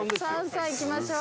行きましょう。